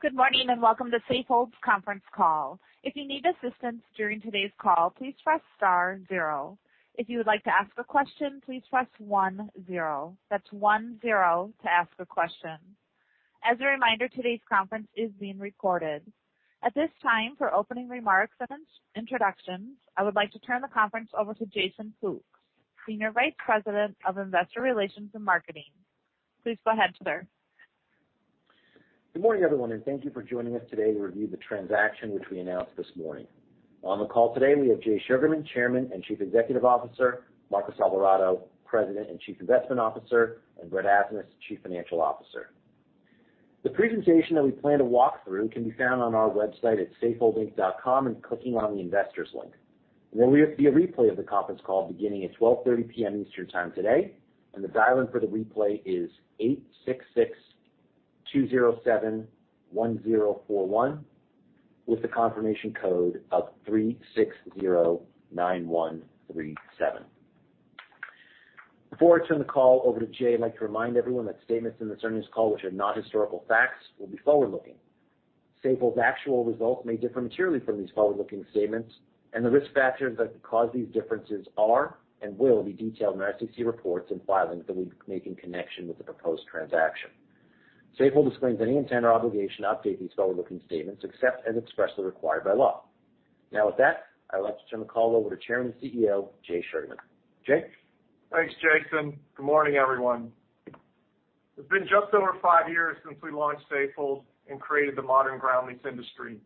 Good morning, and welcome to Safehold's conference call. If you need assistance during today's call, please press star zero. If you would like to ask a question, please press one zero. That's one zero to ask a question. As a reminder, today's conference is being recorded. At this time, for opening remarks and introductions, I would like to turn the conference over to Jason Fooks, Senior Vice President of Investor Relations and Marketing. Please go ahead, sir. Good morning, everyone, and thank you for joining us today to review the transaction which we announced this morning. On the call today we have Jay Sugarman, Chairman and Chief Executive Officer, Marcos Alvarado, President and Chief Investment Officer, and Brett Asnas, Chief Financial Officer. The presentation that we plan to walk through can be found on our website at safeholdinc.com and clicking on the Investors link. There will be a replay of the conference call beginning at 12:30 P.M. Eastern Time today, and the dial-in for the replay is 866-207-1041, with the confirmation code of 3609137. Before I turn the call over to Jay, I'd like to remind everyone that statements in this earnings call which are not historical facts will be forward-looking. Safehold's actual results may differ materially from these forward-looking statements and the risk factors that could cause these differences are and will be detailed in our SEC reports and filings that we make in connection with the proposed transaction. Safehold disclaims any intent or obligation to update these forward-looking statements except as expressly required by law. Now with that, I'd like to turn the call over to Chairman and CEO, Jay Sugarman. Jay? Thanks, Jason. Good morning, everyone. It's been just over five years since we launched Safehold and created the modern ground lease industry.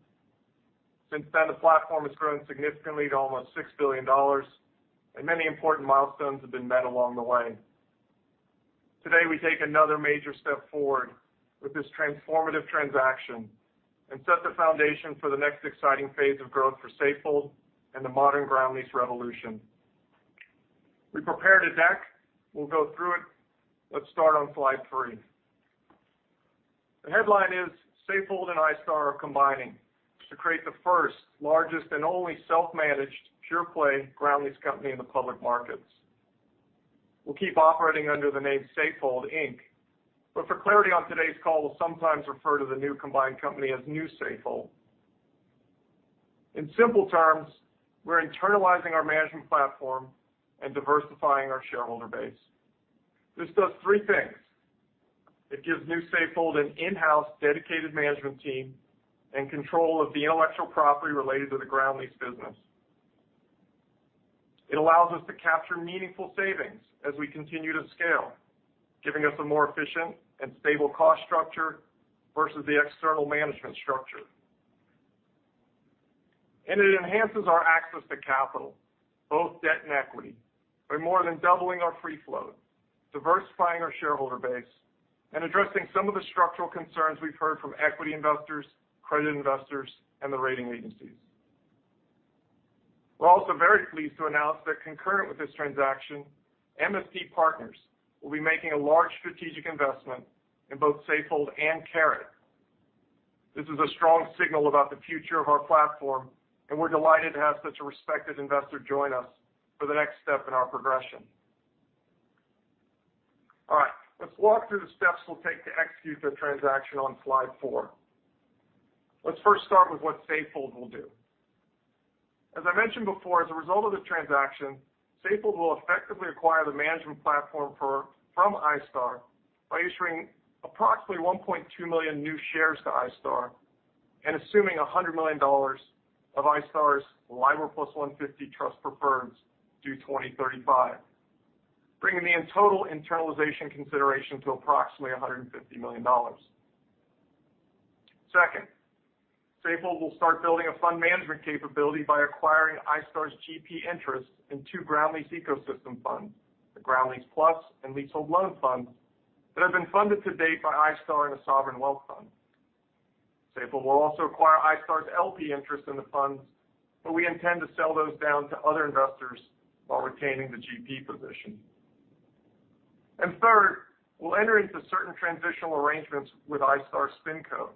Since then, the platform has grown significantly to almost $6 billion and many important milestones have been met along the way. Today, we take another major step forward with this transformative transaction and set the foundation for the next exciting phase of growth for Safehold and the modern ground lease revolution. We prepared a deck. We'll go through it. Let's start on slide three. The headline is Safehold and iStar are combining to create the first, largest and only self-managed pure-play ground lease company in the public markets. We'll keep operating under the name Safehold Inc. For clarity on today's call, we'll sometimes refer to the new combined company as New Safehold. In simple terms, we're internalizing our management platform and diversifying our shareholder base. This does three things. It gives New Safehold an in-house dedicated management team and control of the intellectual property related to the ground lease business. It allows us to capture meaningful savings as we continue to scale, giving us a more efficient and stable cost structure versus the external management structure. It enhances our access to capital, both debt and equity, by more than doubling our free flow, diversifying our shareholder base, and addressing some of the structural concerns we've heard from equity investors, credit investors, and the rating agencies. We're also very pleased to announce that concurrent with this transaction, MSD Partners will be making a large strategic investment in both Safehold and Caret. This is a strong signal about the future of our platform, and we're delighted to have such a respected investor join us for the next step in our progression. All right, let's walk through the steps we'll take to execute the transaction on slide four. Let's first start with what Safehold will do. As I mentioned before, as a result of the transaction, Safehold will effectively acquire the management platform from iStar by issuing approximately 1.2 million new shares to iStar and assuming $100 million of iStar's LIBOR plus 1.50 trust preferreds due 2035, bringing the total internalization consideration to approximately $150 million. Second, Safehold will start building a fund management capability by acquiring iStar's GP interest in two ground lease ecosystem funds, the Ground Lease Plus and Leasehold Loan Funds, that have been funded to date by iStar and a sovereign wealth fund. Safehold will also acquire iStar's LP interest in the funds, but we intend to sell those down to other investors while retaining the GP position. Third, we'll enter into certain transitional arrangements with iStar SpinCo, which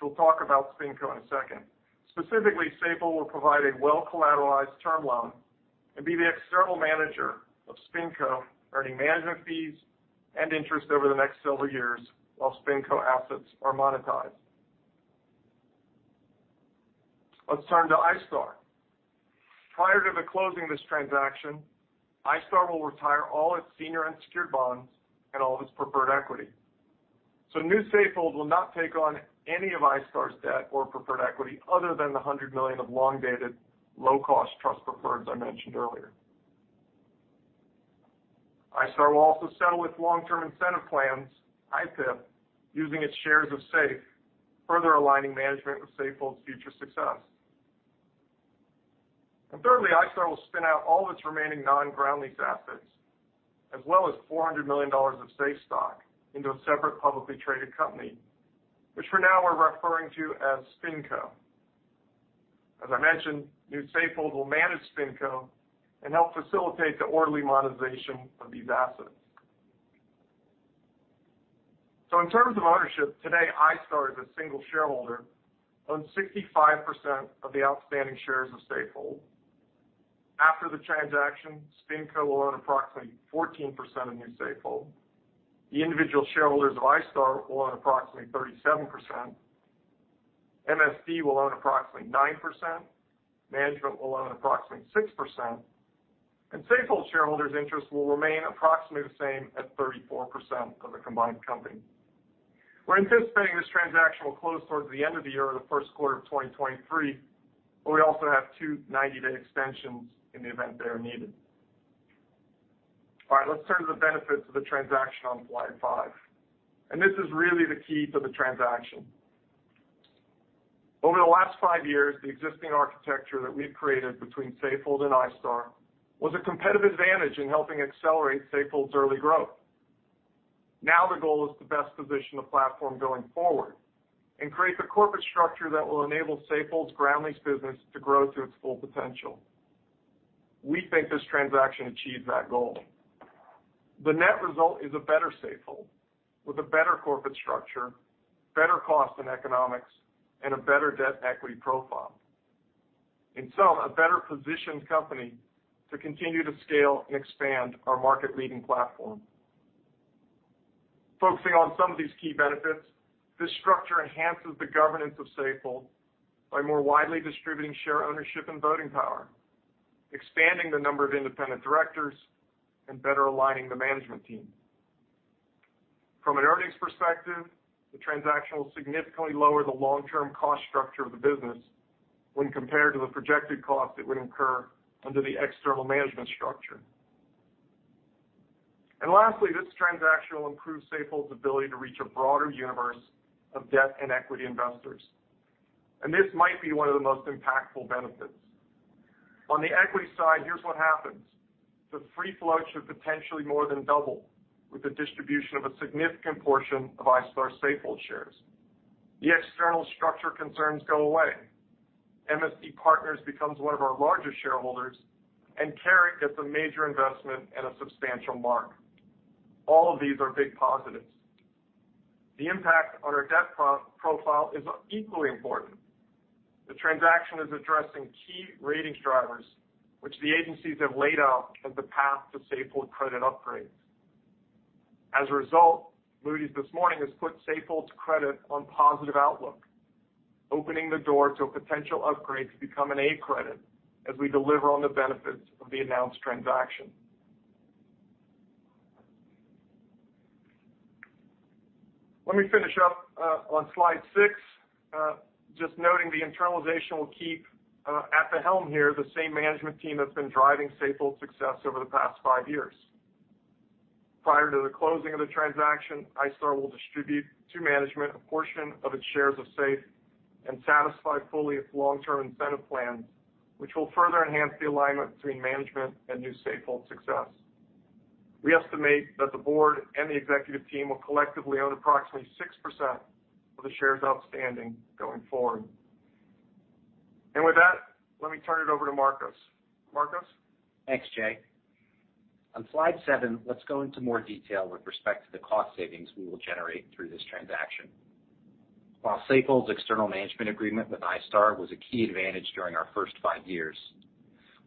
we'll talk about SpinCo in a second. Specifically, Safehold will provide a well-collateralized term loan and be the external manager of SpinCo, earning management fees and interest over the next several years while SpinCo assets are monetized. Let's turn to iStar. Prior to the closing of this transaction, iStar will retire all its senior unsecured bonds and all of its preferred equity. New Safehold will not take on any of iStar's debt or preferred equity other than the $100 million of long-dated low-cost trust preferreds I mentioned earlier. iStar will also settle its long-term incentive plans, iPIP, using its shares of SAFE, further aligning management with Safehold's future success. Thirdly, iStar will spin out all of its remaining non-ground lease assets as well as $400 million of SAFE stock into a separate publicly traded company, which for now we're referring to as SpinCo. As I mentioned, New Safehold will manage SpinCo and help facilitate the orderly monetization of these assets. In terms of ownership, today, iStar is a single shareholder, owns 65% of the outstanding shares of Safehold. After the transaction, SpinCo will own approximately 14% of New Safehold. The individual shareholders of iStar will own approximately 37%. MSD will own approximately 9%. Management will own approximately 6%. Safehold shareholders' interest will remain approximately the same at 34% of the combined company. We're anticipating this transaction will close towards the end of the year or the first quarter of 2023, but we also have two 90-day extensions in the event they are needed. All right, let's turn to the benefits of the transaction on slide five. This is really the key to the transaction. Over the last five years, the existing architecture that we've created between Safehold and iStar was a competitive advantage in helping accelerate Safehold's early growth. Now the goal is to best position the platform going forward and create the corporate structure that will enable Safehold's ground lease business to grow to its full potential. We think this transaction achieved that goal. The net result is a better Safehold with a better corporate structure, better cost and economics, and a better debt equity profile. In sum, a better-positioned company to continue to scale and expand our market-leading platform. Focusing on some of these key benefits, this structure enhances the governance of Safehold by more widely distributing share ownership and voting power, expanding the number of independent directors, and better aligning the management team. From an earnings perspective, the transaction will significantly lower the long-term cost structure of the business when compared to the projected cost it would incur under the external management structure. Lastly, this transaction will improve Safehold's ability to reach a broader universe of debt and equity investors. This might be one of the most impactful benefits. On the equity side, here's what happens. The free floats should potentially more than double with the distribution of a significant portion of iStar Safehold shares. The external structure concerns go away. MSD Partners becomes one of our largest shareholders, and Carrick gets a major investment and a substantial mark. All of these are big positives. The impact on our debt profile is equally important. The transaction is addressing key ratings drivers which the agencies have laid out as the path to Safehold credit upgrades. As a result, Moody's this morning has put Safehold's credit on positive outlook, opening the door to a potential upgrade to become an A credit as we deliver on the benefits of the announced transaction. Let me finish up on slide six. Just noting the internalization will keep at the helm here the same management team that's been driving Safehold's success over the past five years. Prior to the closing of the transaction, iStar will distribute to management a portion of its shares of SAFE and satisfy fully its long-term incentive plans, which will further enhance the alignment between management and New Safehold's success. We estimate that the board and the executive team will collectively own approximately 6% of the shares outstanding going forward. With that, let me turn it over to Marcos. Marcos? Thanks, Jay. On slide seven, let's go into more detail with respect to the cost savings we will generate through this transaction. While Safehold's external management agreement with iStar was a key advantage during our first five years,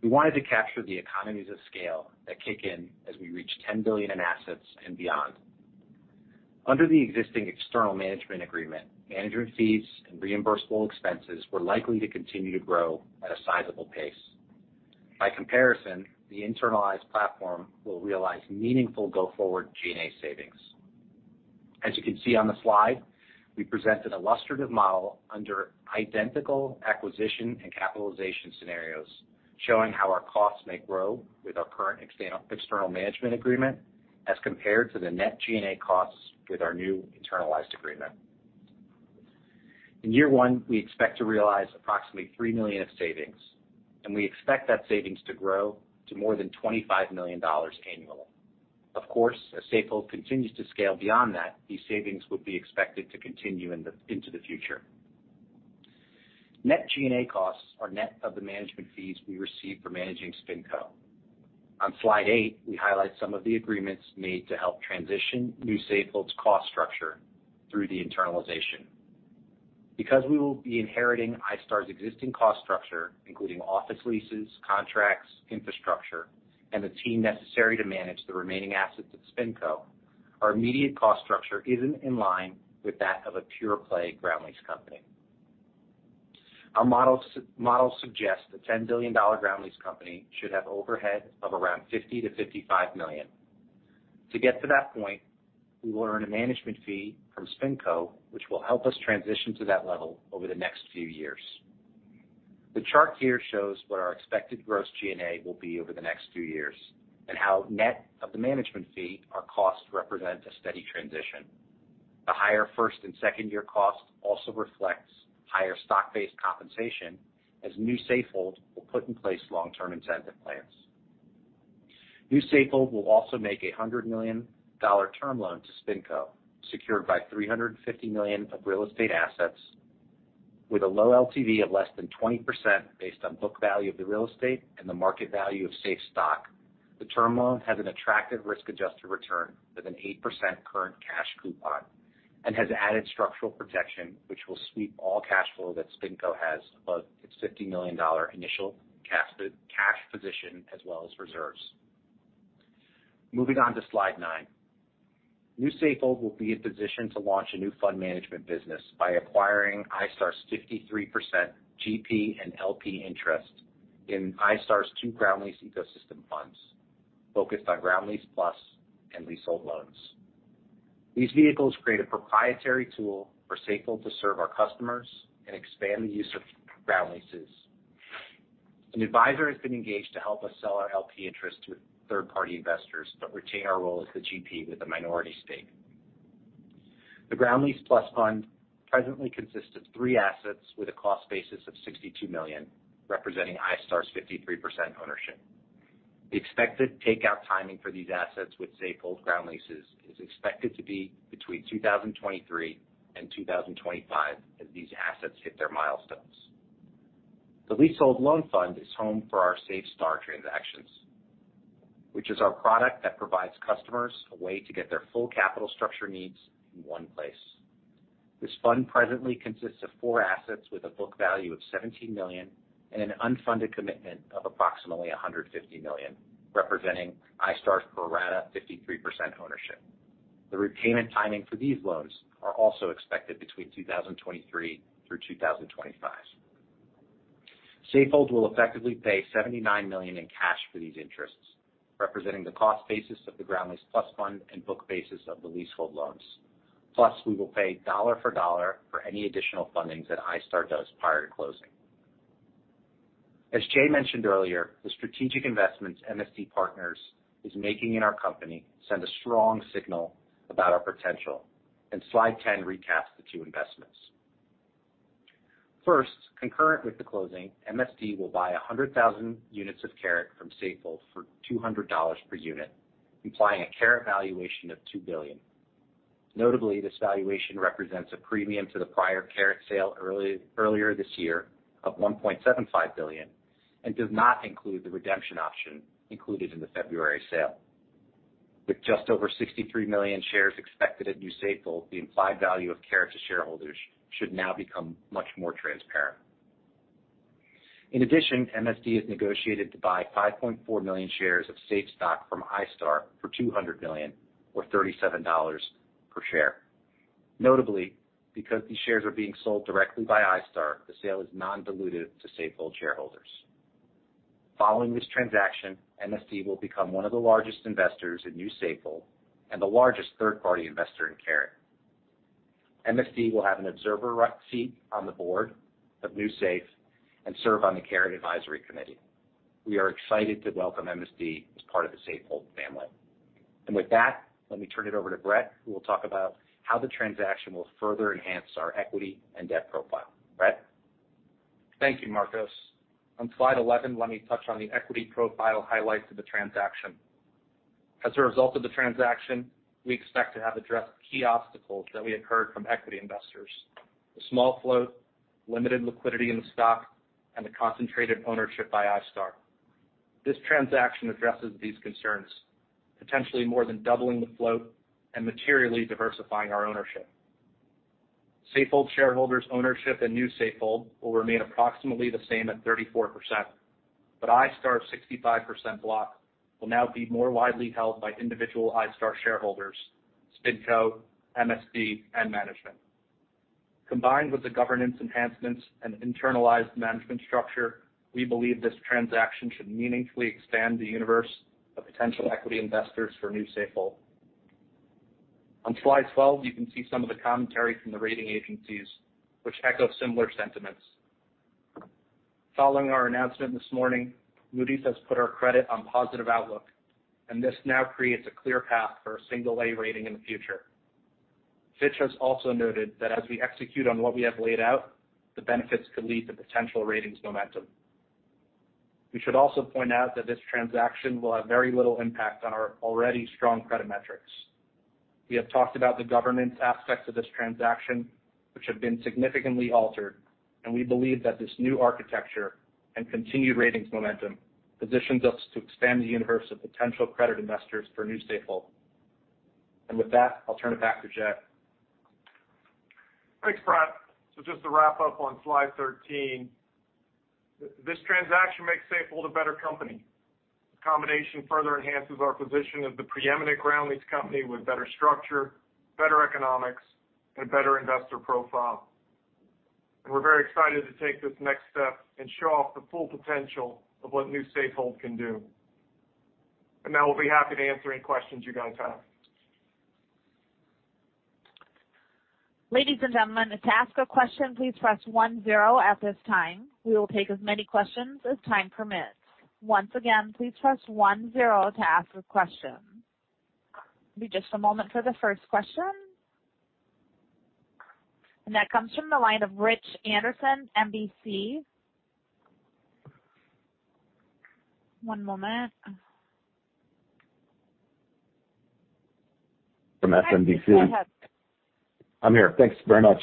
we wanted to capture the economies of scale that kick in as we reach $10 billion in assets and beyond. Under the existing external management agreement, management fees and reimbursable expenses were likely to continue to grow at a sizable pace. By comparison, the internalized platform will realize meaningful go-forward G&A savings. As you can see on the slide, we presented illustrative model under identical acquisition and capitalization scenarios, showing how our costs may grow with our current external management agreement as compared to the net G&A costs with our new internalized agreement. In year one, we expect to realize approximately $3 million of savings, and we expect that savings to grow to more than $25 million annually. Of course, as Safehold continues to scale beyond that, these savings would be expected to continue into the future. Net G&A costs are net of the management fees we receive for managing SpinCo. On slide eight, we highlight some of the agreements made to help transition New Safehold's cost structure through the internalization. Because we will be inheriting iStar's existing cost structure, including office leases, contracts, infrastructure, and the team necessary to manage the remaining assets of SpinCo, our immediate cost structure isn't in line with that of a pure-play ground lease company. Our models suggest a $10 billion ground lease company should have overhead of around $50-$55 million. To get to that point, we will earn a management fee from SpinCo, which will help us transition to that level over the next few years. The chart here shows what our expected gross G&A will be over the next two years, and how net of the management fee our costs represent a steady transition. The higher first and second year costs also reflect higher stock-based compensation as New Safehold will put in place long-term incentive plans. New Safehold will also make a $100 million term loan to SpinCo, secured by $350 million of real estate assets with a low LTV of less than 20% based on book value of the real estate and the market value of SAFE stock. The term loan has an attractive risk-adjusted return with an 8% current cash coupon and has added structural protection, which will sweep all cash flow that SpinCo has above its $50 million initial cash position as well as reserves. Moving on to slide nine. New Safehold will be in position to launch a new fund management business by acquiring iStar's 53% GP and LP interest in iStar's two ground lease ecosystem funds focused on Ground Lease Plus and leasehold loans. These vehicles create a proprietary tool for Safehold to serve our customers and expand the use of ground leases. An advisor has been engaged to help us sell our LP interest to third-party investors, but retain our role as the GP with a minority stake. The Ground Lease Plus fund presently consists of three assets with a cost basis of $62 million, representing iStar's 53% ownership. The expected takeout timing for these assets with Safehold's ground leases is expected to be between 2023 and 2025 as these assets hit their milestones. The Leasehold Loan Fund is home for our SafeStar transactions, which is our product that provides customers a way to get their full capital structure needs in one place. This fund presently consists of four assets with a book value of $17 million and an unfunded commitment of approximately $150 million, representing iStar's pro rata 53% ownership. The repayment timing for these loans is also expected between 2023 through 2025. Safehold will effectively pay $79 million in cash for these interests, representing the cost basis of the Ground Lease Plus fund and book basis of the leasehold loans. Plus, we will pay dollar for dollar for any additional fundings that iStar does prior to closing. As Jay mentioned earlier, the strategic investments MSD Partners is making in our company send a strong signal about our potential. Slide 10 recaps the two investments. First, concurrent with the closing, MSD will buy 100,000 units of Caret from Safehold for $200 per unit, implying a Caret valuation of $2 billion. Notably, this valuation represents a premium to the prior Caret sale early, earlier this year of $1.75 billion and does not include the redemption option included in the February sale. With just over 63 million shares expected at New Safehold, the implied value of Caret to shareholders should now become much more transparent. In addition, MSD has negotiated to buy 5.4 million shares of SAFE stock from iStar for $200 million or $37 per share. Notably, because these shares are being sold directly by iStar, the sale is non-dilutive to Safehold shareholders. Following this transaction, MSD will become one of the largest investors in New Safehold and the largest third-party investor in Caret. MSD will have an observer right seat on the board of New Safehold and serve on the Caret advisory committee. We are excited to welcome MSD as part of the Safehold family. With that, let me turn it over to Brett, who will talk about how the transaction will further enhance our equity and debt profile. Brett? Thank you, Marcos. On slide 11, let me touch on the equity profile highlights of the transaction. As a result of the transaction, we expect to have addressed key obstacles that we had heard from equity investors. The small float, limited liquidity in the stock, and the concentrated ownership by iStar. This transaction addresses these concerns, potentially more than doubling the float and materially diversifying our ownership. Safehold shareholders' ownership in New Safehold will remain approximately the same at 34%, but iStar's 65% block will now be more widely held by individual iStar shareholders, SpinCo, MSD, and management. Combined with the governance enhancements and internalized management structure, we believe this transaction should meaningfully expand the universe of potential equity investors for New Safehold. On slide 12, you can see some of the commentary from the rating agencies which echo similar sentiments. Following our announcement this morning, Moody's has put our credit on positive outlook, and this now creates a clear path for a single A rating in the future. Fitch has also noted that as we execute on what we have laid out, the benefits could lead to potential ratings momentum. We should also point out that this transaction will have very little impact on our already strong credit metrics. We have talked about the governance aspects of this transaction, which have been significantly altered, and we believe that this new architecture and continued ratings momentum positions us to expand the universe of potential credit investors for New Safehold. With that, I'll turn it back to Jay. Thanks, Brett. Just to wrap up on slide 13, this transaction makes Safehold a better company. The combination further enhances our position as the preeminent ground lease company with better structure, better economics, and a better investor profile. We're very excited to take this next step and show off the full potential of what New Safehold can do. Now we'll be happy to answer any questions you guys have. Ladies and gentlemen, to ask a question, please press one zero at this time. We will take as many questions as time permits. Once again, please press one zero to ask a question. Give me just a moment for the first question. That comes from the line of Rich Anderson, MBC. One moment. From SMBC. Go ahead. I'm here. Thanks very much.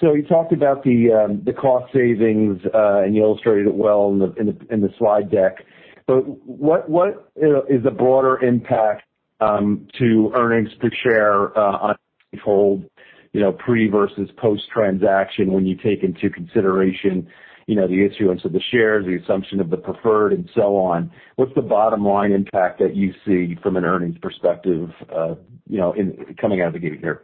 You talked about the cost savings, and you illustrated it well in the slide deck. What is the broader impact to earnings per share on Safehold, you know, pre versus post-transaction when you take into consideration, you know, the issuance of the shares, the assumption of the preferred and so on? What's the bottom line impact that you see from an earnings perspective coming out of the gate here?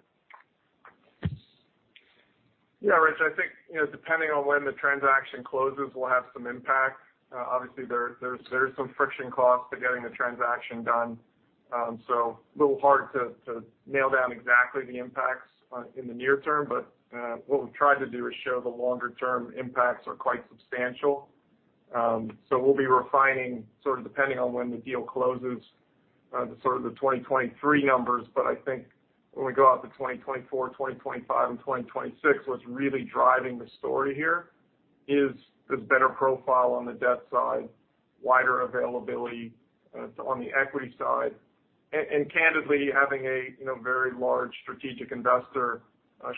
Yeah, Rich, I think, you know, depending on when the transaction closes will have some impact. Obviously, there's some friction costs to getting the transaction done. A little hard to nail down exactly the impacts in the near term. What we've tried to do is show the longer term impacts are quite substantial. We'll be refining, sort of depending on when the deal closes, the 2023 numbers. I think when we go out to 2024, 2025, and 2026, what's really driving the story here is this better profile on the debt side, wider availability on the equity side. Candidly, having a you know very large strategic investor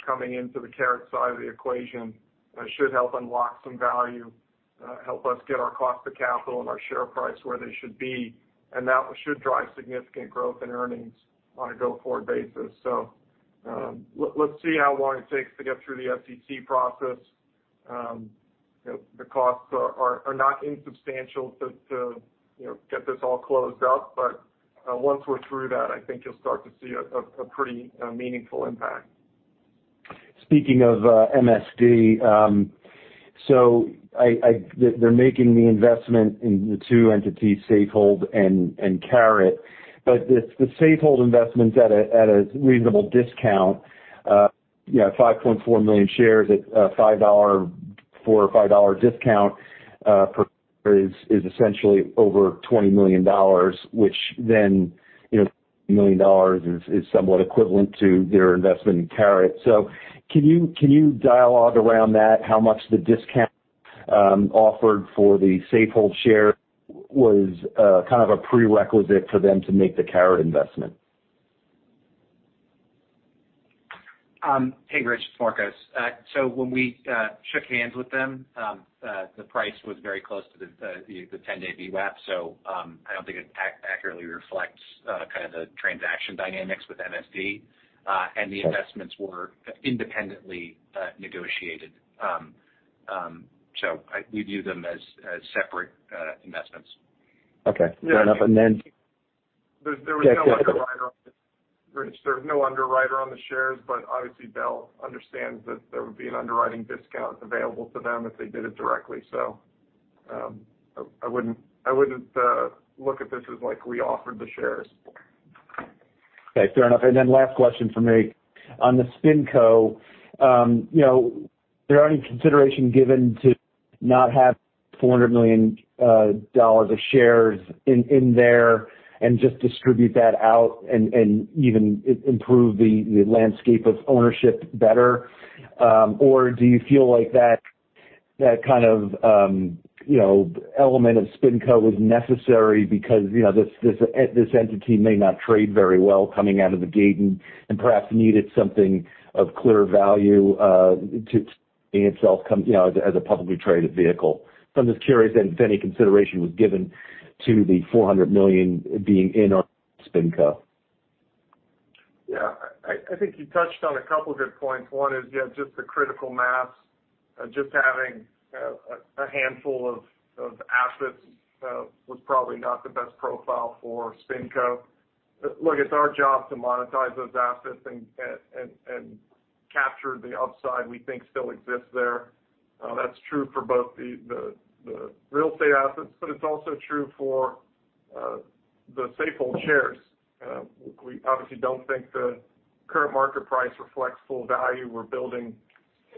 coming into the Caret side of the equation should help unlock some value, help us get our cost of capital and our share price where they should be, and that should drive significant growth in earnings on a go-forward basis. Let's see how long it takes to get through the SEC process. You know, the costs are not insubstantial to get this all closed up. Once we're through that, I think you'll start to see a pretty meaningful impact. Speaking of MSD, they're making the investment in the two entities, Safehold and Caret. The Safehold investment's at a reasonable discount. 5.4 million shares at a $4-$5 discount per share is essentially over $20 million, which is somewhat equivalent to their investment in Caret. Can you dialogue around that, how much the discount offered for the Safehold share was kind of a prerequisite for them to make the Caret investment? Hey, Rich, it's Marcos. When we shook hands with them, the price was very close to the 10-day VWAP. I don't think it accurately reflects kind of the transaction dynamics with MSD. The investments were independently negotiated. We view them as separate investments. Okay. Fair enough. Rich, there was no underwriter on the shares, but obviously Brett understands that there would be an underwriting discount available to them if they did it directly. I wouldn't look at this as like we offered the shares. Okay, fair enough. Last question from me. On the SpinCo, you know, there any consideration given to not have $400 million of shares in there and just distribute that out and even improve the landscape of ownership better? Or do you feel like that kind of element of SpinCo was necessary because, you know, this entity may not trade very well coming out of the gate and perhaps needed something of clear value to in itself come, you know, as a publicly traded vehicle? I'm just curious if any consideration was given to the $400 million being in our SpinCo. Yeah. I think you touched on a couple of good points. One is, yeah, just the critical mass, just having a handful of assets was probably not the best profile for SpinCo. Look, it's our job to monetize those assets and capture the upside we think still exists there. That's true for both the real estate assets, but it's also true for the Safehold shares. We obviously don't think the current market price reflects full value. We're building,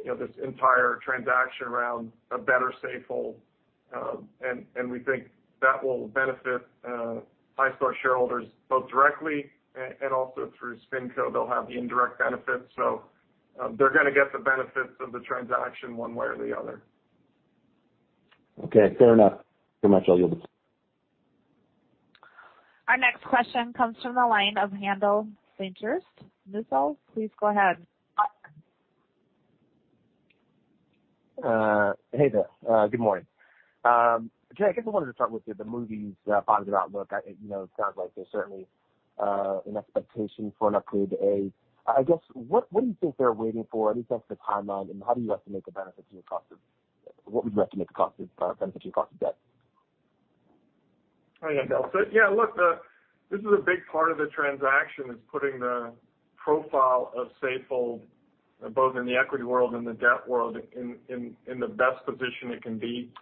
you know, this entire transaction around a better Safehold. And we think that will benefit Star shareholders both directly and also through SpinCo. They'll have the indirect benefits. They're gonna get the benefits of the transaction one way or the other. Okay, fair enough. Pretty much all. Our next question comes from the line of Mizuho Securities. Haendel, please go ahead. Hey there. Good morning. Jay, I guess I wanted to start with the Moody's positive outlook. You know, it sounds like there's certainly an expectation for an upgrade to A. I guess, what do you think they're waiting for in terms of the timeline, and how do you estimate the benefit to your cost of debt? Hi, Haendel. Yeah, look, this is a big part of the transaction is putting the profile of Safehold, both in the equity world and the debt world, in the best position it can be.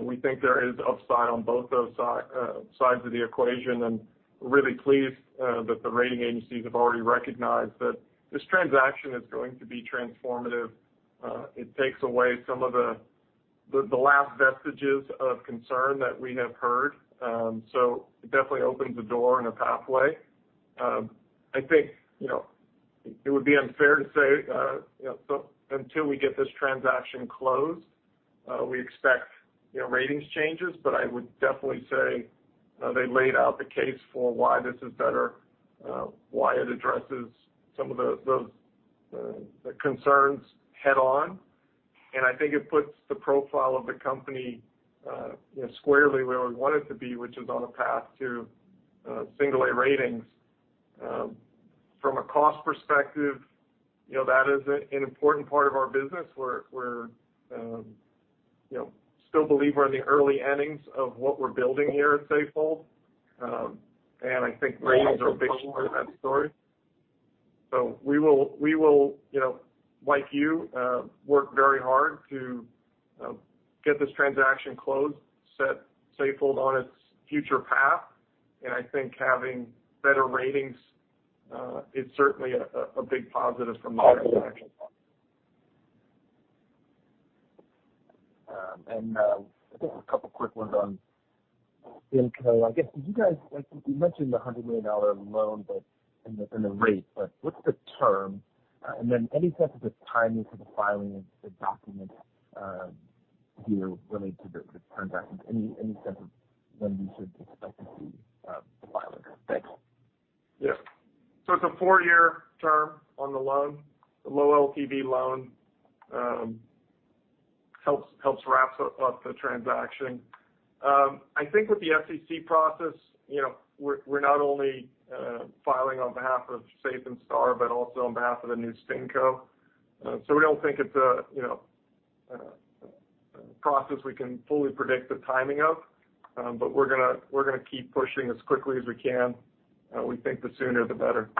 We think there is upside on both those sides of the equation, and we're really pleased that the rating agencies have already recognized that this transaction is going to be transformative. It takes away some of the last vestiges of concern that we have heard. It definitely opens a door and a pathway. I think, you know, it would be unfair to say, you know, so until we get this transaction closed. We expect, you know, ratings changes, but I would definitely say, they laid out the case for why this is better, why it addresses some of the concerns head on. I think it puts the profile of the company, you know, squarely where we want it to be, which is on a path to single A ratings. From a cost perspective, you know, that is an important part of our business. We're still believe we're in the early innings of what we're building here at Safehold. I think ratings are a big part of that story. We will, you know, like you, work very hard to get this transaction closed, set Safehold on its future path. I think having better ratings is certainly a big positive from our perspective. Just a couple of quick ones on SpinCo. Like, you mentioned the $100 million loan, but the rate, but what's the term? Then any sense of the timing for the filing of the documents here related to the transaction? Any sense of when we should expect to see the filing? Thanks. It's a four-year term on the loan. The low LTV loan helps wrap up the transaction. I think with the SEC process, you know, we're not only filing on behalf of SAFE and iStar, but also on behalf of the new SpinCo. We don't think it's a, you know, process we can fully predict the timing of, but we're gonna keep pushing as quickly as we can. We think the sooner, the better.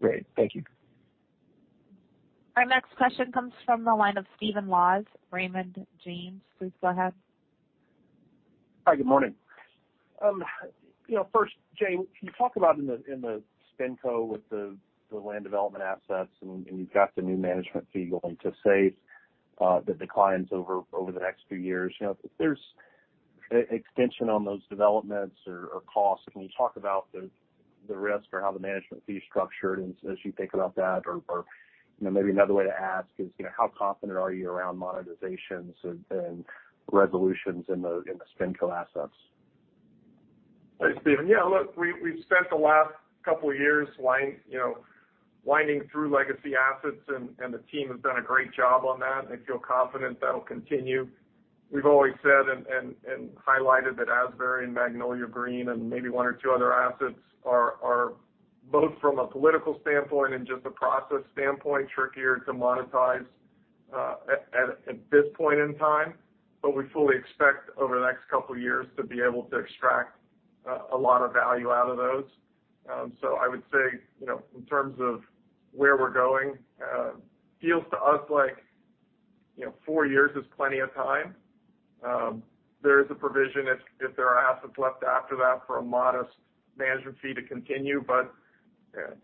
Great. Thank you. Our next question comes from the line of Stephen Laws, Raymond James. Please go ahead. Hi, good morning. You know, first, Jay, can you talk about in the SpinCo with the land development assets, and you've got the new management fee going to SAFE that declines over the next few years. You know, if there's extension on those developments or costs, can you talk about the risk or how the management fee is structured as you think about that? Or, you know, maybe another way to ask is, you know, how confident are you around monetizations and resolutions in the SpinCo assets? Thanks, Steven. Yeah, look, we've spent the last couple of years, you know, winding through legacy assets, and the team has done a great job on that. I feel confident that'll continue. We've always said and highlighted that Asbury and Magnolia Green and maybe one or two other assets are both from a political standpoint and just a process standpoint, trickier to monetize at this point in time. We fully expect over the next couple of years to be able to extract a lot of value out of those. I would say, you know, in terms of where we're going, it feels to us like four years is plenty of time. There is a provision if there are assets left after that for a modest management fee to continue.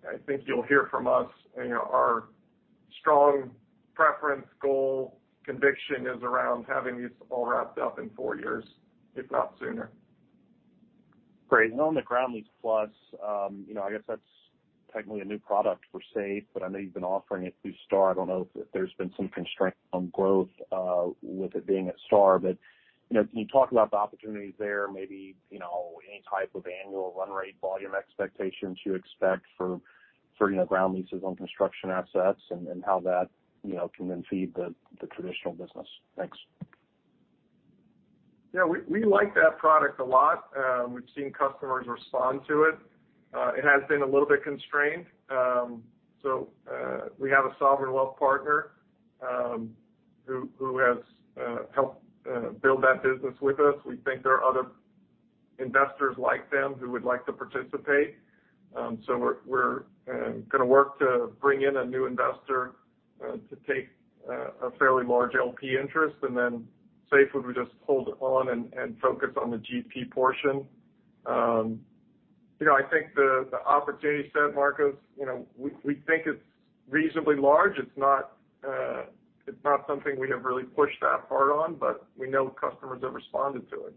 I think you'll hear from us, you know, our strong preference, goal, conviction is around having these all wrapped up in four years, if not sooner. Great. On the Ground Lease Plus, you know, I guess that's technically a new product for SAFE, but I know you've been offering it through iStar. I don't know if there's been some constraint on growth with it being at iStar. You know, can you talk about the opportunities there, maybe, you know, any type of annual run rate volume expectations you expect for you know, ground leases on construction assets and how that, you know, can then feed the traditional business? Thanks. Yeah. We like that product a lot. We've seen customers respond to it. It has been a little bit constrained. So we have a sovereign wealth partner who has helped build that business with us. We think there are other investors like them who would like to participate. So we're gonna work to bring in a new investor to take a fairly large LP interest, and then SAFE would just hold on and focus on the GP portion. You know, I think the opportunity set, Marcos, you know, we think it's reasonably large. It's not something we have really pushed that hard on, but we know customers have responded to it.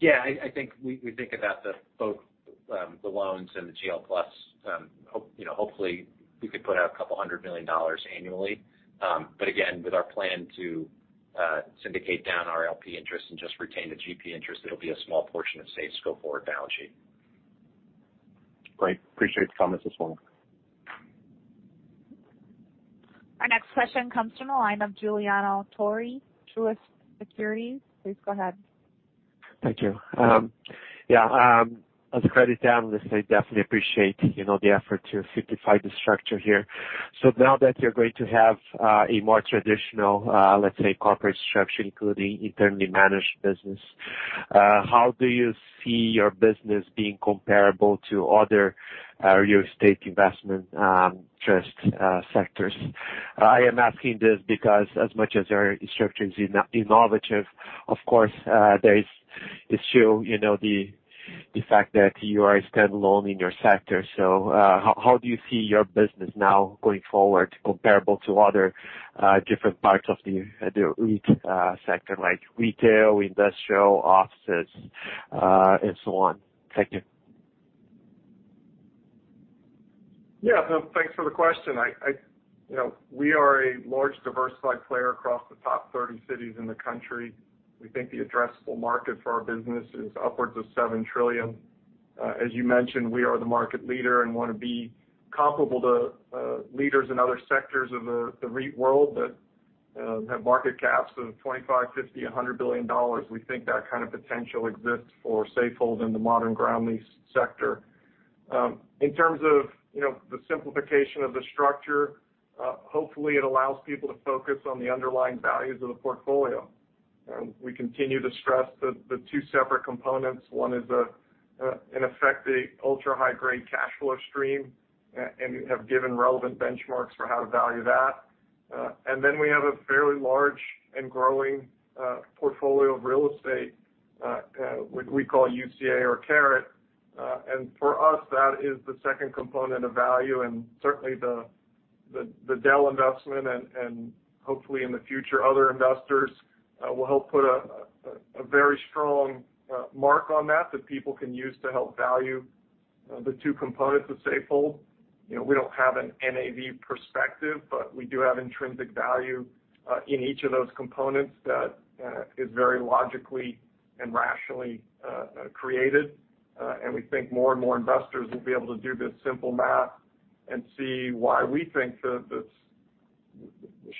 Yeah. I think we think about both the loans and the GL plus, you know, hopefully we could put out $200 million annually. Again, with our plan to syndicate down our LP interest and just retain the GP interest, it'll be a small portion of SAFE's go-forward balance sheet. Great. Appreciate the comments as well. Our next question comes from the line of Juliano Torii, Truist Securities. Please go ahead. Thank you. Yeah, as a credit analyst, I definitely appreciate, you know, the effort to simplify the structure here. Now that you're going to have a more traditional, let's say, corporate structure, including internally managed business, how do you see your business being comparable to other real estate investment trust sectors? I am asking this because as much as your structure is innovative, of course, there is still, you know, the fact that you are a standalone in your sector. How do you see your business now going forward comparable to other different parts of the REIT sector, like retail, industrial, offices, and so on? Thank you. Yeah. No, thanks for the question. You know, we are a large diversified player across the top 30 cities in the country. We think the addressable market for our business is upwards of $7 trillion. As you mentioned, we are the market leader and wanna be comparable to leaders in other sectors of the REIT world that have market caps of $25 billion, $50 billion, $100 billion. We think that kind of potential exists for Safehold in the modern ground lease sector. In terms of, you know, the simplification of the structure, hopefully it allows people to focus on the underlying values of the portfolio. We continue to stress the two separate components. One is, in effect, a ultra-high-grade cash flow stream, and we have given relevant benchmarks for how to value that. We have a fairly large and growing portfolio of real estate we call UCA or Caret. For us, that is the second component of value, and certainly the Dell investment and hopefully in the future, other investors will help put a very strong mark on that that people can use to help value the two components of Safehold. You know, we don't have an NAV perspective, but we do have intrinsic value in each of those components that is very logically and rationally created. We think more and more investors will be able to do this simple math and see why we think the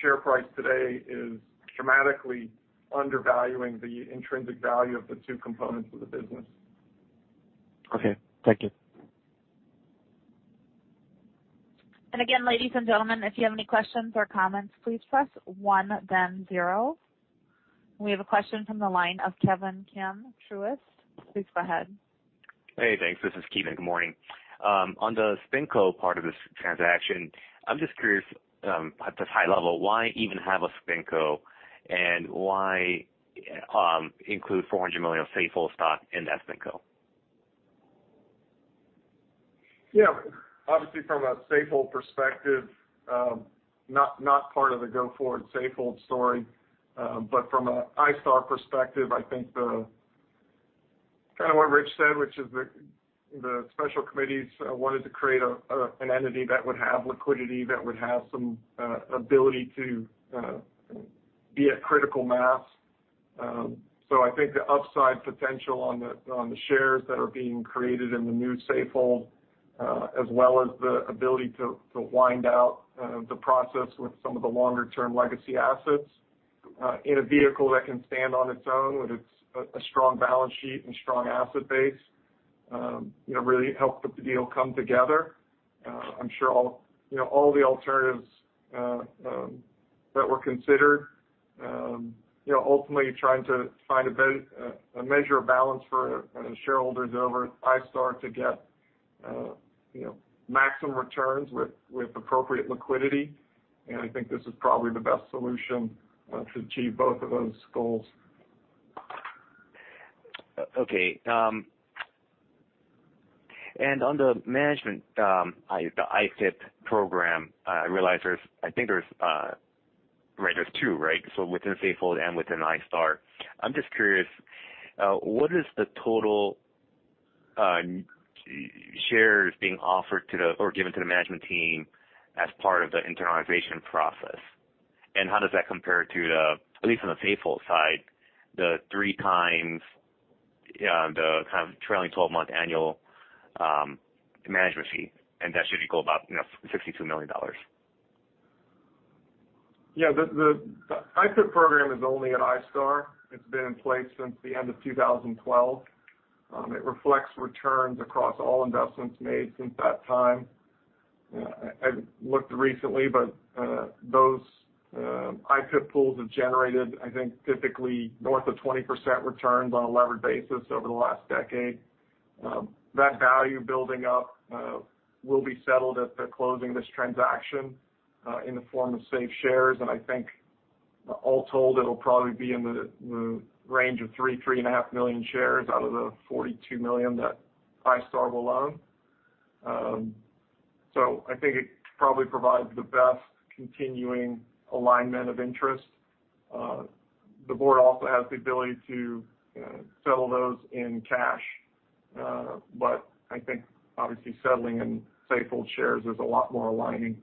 share price today is dramatically undervaluing the intrinsic value of the two components of the business. Okay. Thank you. Again, ladies and gentlemen, if you have any questions or comments, please press one then zero. We have a question from the line of Ki Bin Kim, Truist. Please go ahead. Hey, thanks. This is Ki Bin. Good morning. On the SpinCo part of this transaction, I'm just curious, at this high level, why even have a SpinCo, and why include $400 million of Safehold stock in that SpinCo? Yeah. Obviously from a Safehold perspective, not part of the go-forward Safehold story. From an iStar perspective, I think kinda what Rich said, which is the special committees wanted to create an entity that would have liquidity, that would have some ability to be at critical mass. I think the upside potential on the shares that are being created in the new Safehold, as well as the ability to wind down the process with some of the longer term legacy assets, in a vehicle that can stand on its own, with a strong balance sheet and strong asset base, you know, really helped the deal come together. I'm sure all, you know, all the alternatives that were considered, you know, ultimately trying to find a measure of balance for the shareholders over iStar to get, you know, maximum returns with appropriate liquidity. I think this is probably the best solution to achieve both of those goals. Okay. On the management, the iPIP program, I realize there's two, right? Within Safehold and within iStar. I'm just curious, what is the total shares being offered to or given to the management team as part of the internalization process? How does that compare to, at least on the Safehold side, the 3x the kind of trailing twelve-month annual management fee, and that should equal about, you know, $52 million. Yeah. The iPIP program is only at iStar. It's been in place since the end of 2012. It reflects returns across all investments made since that time. I haven't looked recently, but those iPIP pools have generated, I think, typically north of 20% returns on a levered basis over the last decade. That value building up will be settled at the closing of this transaction in the form of SAFE shares. I think all told, it'll probably be in the range of 3.5 million shares out of the 42 million that iStar will own. I think it probably provides the best continuing alignment of interest. The board also has the ability to settle those in cash. I think obviously settling in Safehold shares is a lot more aligning.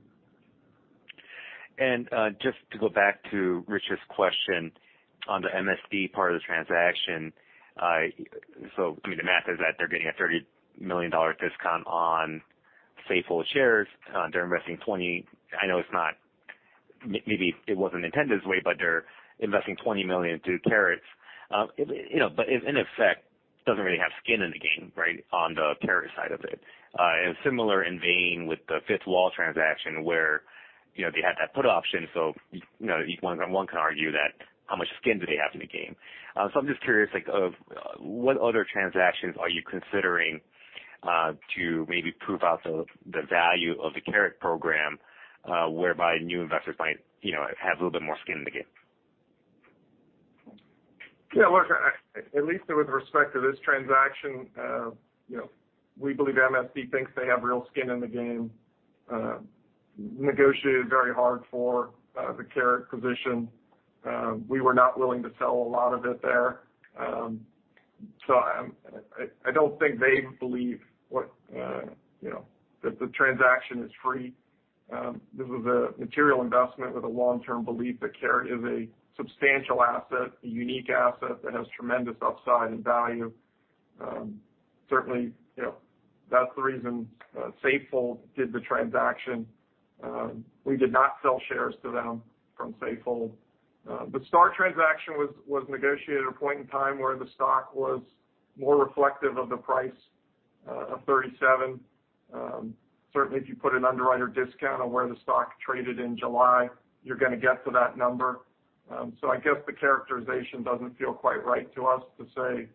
Just to go back to Rich's question on the MSD part of the transaction. I mean, the math is that they're getting a $30 million discount on Safehold shares. They're investing $20 million through Caret. I know it's not, maybe it wasn't intended this way, but they're investing $20 million through Caret. You know, but in effect, doesn't really have skin in the game, right, on the Caret side of it. Similar in vein with the Fifth Wall transaction where, you know, they had that put option. You know, one can argue that how much skin do they have in the game? I'm just curious, like what other transactions are you considering to maybe prove out the value of the Caret program, whereby new investors might, you know, have a little bit more skin in the game? Yeah. Look, at least with respect to this transaction, you know, we believe MSD thinks they have real skin in the game. Negotiated very hard for the Caret position. We were not willing to sell a lot of it there. So I don't think they believe what, you know, that the transaction is free. This was a material investment with a long-term belief that Caret is a substantial asset, a unique asset that has tremendous upside and value. Certainly, you know, that's the reason Safehold did the transaction. We did not sell shares to them from Safehold. The iStar transaction was negotiated at a point in time where the stock was more reflective of the price of $37. Certainly, if you put an underwriter discount on where the stock traded in July, you're gonna get to that number. So I guess the characterization doesn't feel quite right to us to say,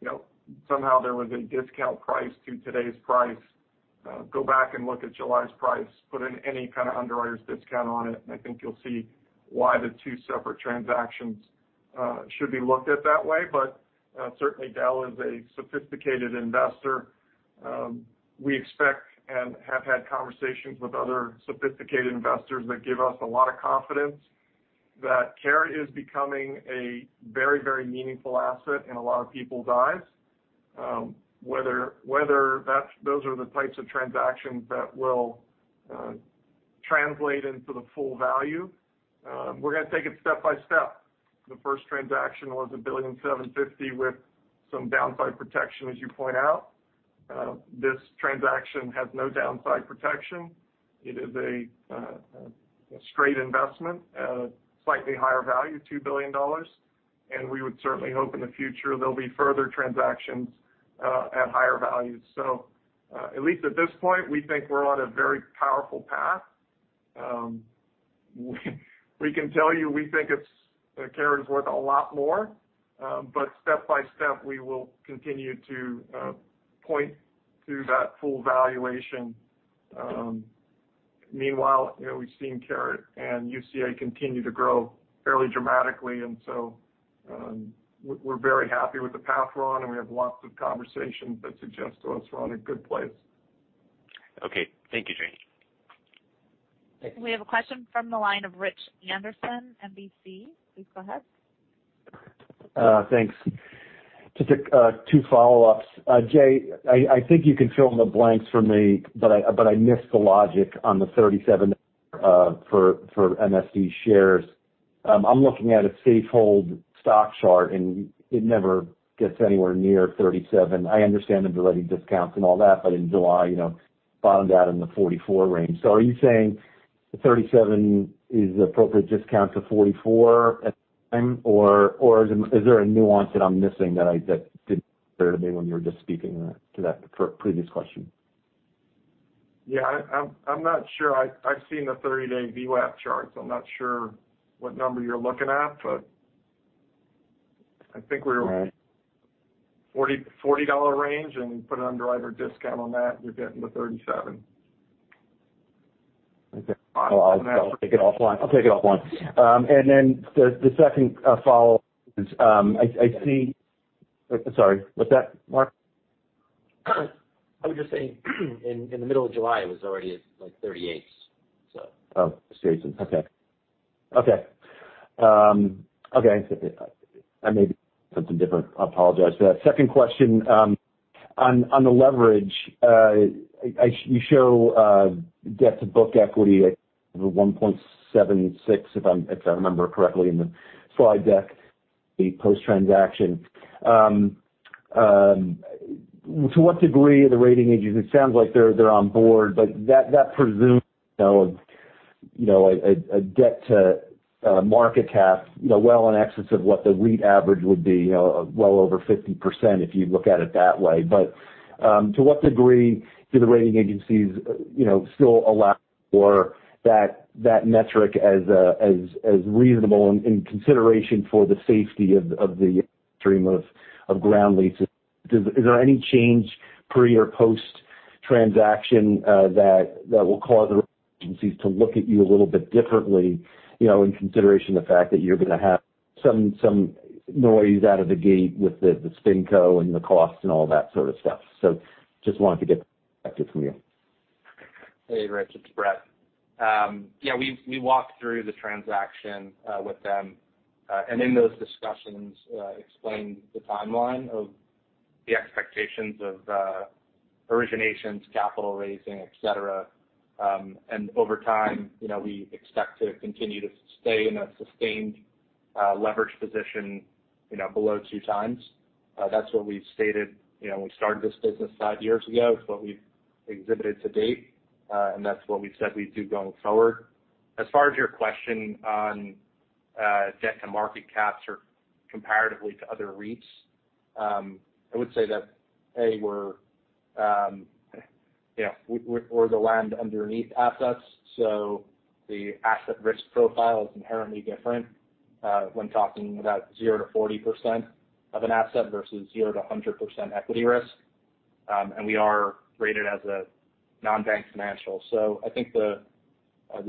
you know, somehow there was a discount price to today's price. Go back and look at July's price, put in any kind of underwriter's discount on it, and I think you'll see why the two separate transactions should be looked at that way. Certainly Dell is a sophisticated investor. We expect and have had conversations with other sophisticated investors that give us a lot of confidence that Caret is becoming a very, very meaningful asset in a lot of people's eyes. Whether those are the types of transactions that will translate into the full value, we're gonna take it step by step. The first transaction was $1.75 billion with some downside protection, as you point out. This transaction has no downside protection. It is a straight investment at a slightly higher value, $2 billion. We would certainly hope in the future there'll be further transactions at higher values. At least at this point, we think we're on a very powerful path. We can tell you we think it's Caret is worth a lot more. Step by step, we will continue to point to that full valuation. Meanwhile, you know, we've seen Caret and UCA continue to grow fairly dramatically and we're very happy with the path we're on, and we have lots of conversations that suggest to us we're on a good place. Okay. Thank you, Jay. Thanks. We have a question from the line of Richard Anderson, SMBC. Please go ahead. Thanks. Just two follow-ups. Jay, I think you can fill in the blanks for me, but I missed the logic on the 37 for MSD shares. I'm looking at a Safehold stock chart, and it never gets anywhere near 37. I understand the related discounts and all that, but in July, you know, bottomed out in the 44 range. Are you saying the 37 is the appropriate discount to 44 at the time or is there a nuance that I'm missing that didn't occur to me when you were just speaking to that previous question? Yeah. I'm not sure. I've seen the 30-day VWAP chart, so I'm not sure what number you're looking at, but I think we were. Right. 40, $40 range and put an underwriter discount on that, you're getting the $37. Okay. Well, I'll take it offline. The second follow-up is, I see. Sorry, what's that, Marc? I was just saying in the middle of July, it was already at, like, 38, so. Oh, Jason. Okay. I apologize for that. Second question, on the leverage, you show debt to book equity at 1.76, if I remember correctly in the slide deck, the post-transaction. To what degree are the rating agencies. It sounds like they're on board, but that presumes, you know, a debt to market cap, you know, well in excess of what the REIT average would be, you know, well over 50% if you look at it that way. To what degree do the rating agencies, you know, still allow for that metric as reasonable in consideration for the safety of the stream of ground leases? Is there any change pre or post-transaction that will cause the rating agencies to look at you a little bit differently, you know, in consideration the fact that you're gonna have some noise out of the gate with the SpinCo and the costs and all that sort of stuff? Just wanted to get that perspective from you. Hey, Rich. It's Brett. We've walked through the transaction with them. In those discussions, explained the timeline of the expectations of originations, capital raising, et cetera. Over time, you know, we expect to continue to stay in a sustained leverage position, you know, below 2x. That's what we've stated. You know, we started this business five years ago. It's what we've exhibited to date, and that's what we've said we'd do going forward. As far as your question on debt to market caps or comparatively to other REITs, I would say that, A, you know, we're the land underneath assets, so the asset risk profile is inherently different when talking about 0%-40% of an asset versus 0%-100% equity risk. We are rated as a non-bank financial. I think the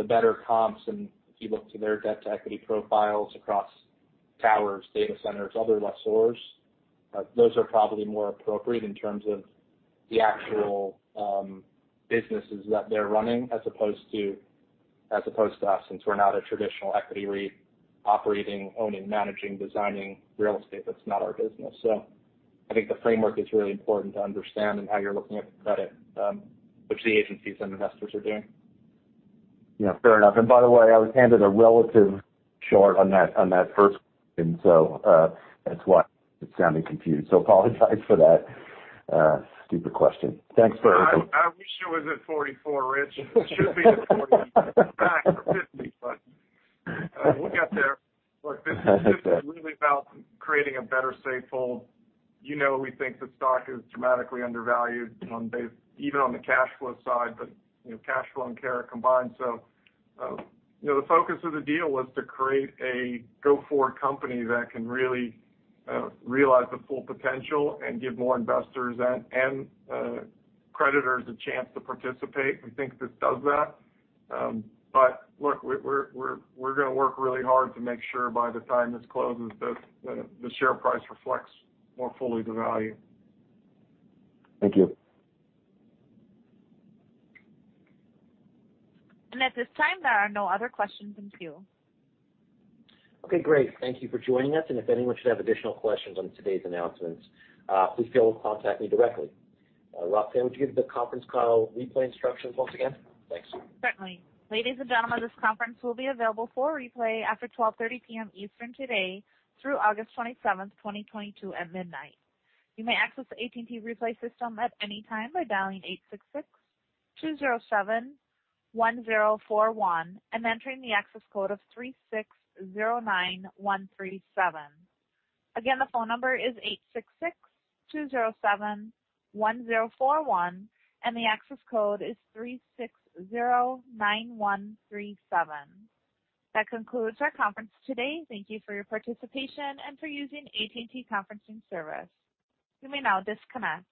better comps, and if you look to their debt to equity profiles across towers, data centers, other lessors, those are probably more appropriate in terms of the actual businesses that they're running as opposed to us, since we're not a traditional equity REIT operating, owning, managing, designing real estate, that's not our business. I think the framework is really important to understand in how you're looking at the credit, which the agencies and investors are doing. Yeah, fair enough. By the way, I was handed a relative short on that first, and so that's why it's sounding confused. Apologize for that, stupid question. Thanks for answering. I wish it was at 44, Rich. It should be at 40 or back or 50, but we'll get there. Look, this is really about creating a better Safehold. You know, we think the stock is dramatically undervalued, even on the cash flow side, but you know, cash flow and Caret combined. You know, the focus of the deal was to create a go-forward company that can really realize the full potential and give more investors and creditors a chance to participate. We think this does that. But look, we're gonna work really hard to make sure by the time this closes that the share price reflects more fully the value. Thank you. At this time, there are no other questions in queue. Okay, great. Thank you for joining us. If anyone should have additional questions on today's announcements, please feel free to contact me directly. Rafael, would you give the conference call replay instructions once again? Thanks. Certainly. Ladies and gentlemen, this conference will be available for replay after 12:30 P.M. Eastern today through August 27, 2022 at midnight. You may access the AT&T replay system at any time by dialing 866-207-1041 and entering the access code of 3609137. Again, the phone number is 866-207-1041 and the access code is 3609137. That concludes our conference today. Thank you for your participation and for using AT&T conferencing service. You may now disconnect.